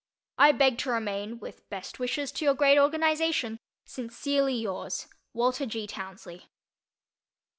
I beg to remain, with best wishes to your great organization, Sincerely yours, WALTER G. TOWNSLEY.